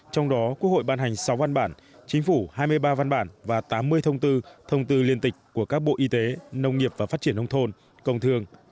trong đó quốc hội ban hành sáu văn bản chính phủ hai mươi ba văn bản và tám mươi thông tư thông tư liên tịch của các bộ y tế nông nghiệp và phát triển nông thôn công thương